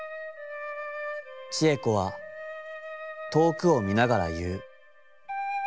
智恵子は遠くを見ながら言ふ。